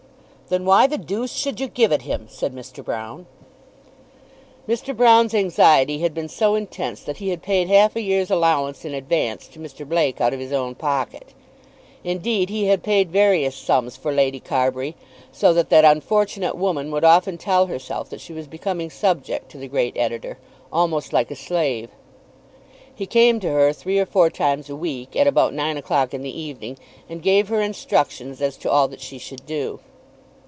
"Then why the deuce should you give it him?" said Mr. Broune. Mr. Broune's anxiety had been so intense that he had paid half a year's allowance in advance to Mr. Blake out of his own pocket. Indeed, he had paid various sums for Lady Carbury, so that that unfortunate woman would often tell herself that she was becoming subject to the great editor, almost like a slave. He came to her, three or four times a week, at about nine o'clock in the evening, and gave her instructions as to all that she should do.